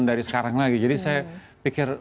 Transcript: dari sekarang lagi jadi saya pikir